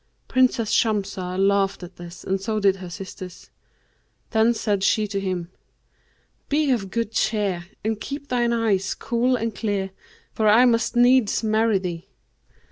Princess Shamsah laughed at this and so did her sisters; then said she to him, 'Be of good cheer and keep thine eyes cool and clear, for I must needs marry thee.'